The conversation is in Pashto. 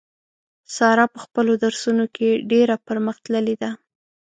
ساره په خپلو درسو نو کې ډېره پر مخ تللې ده.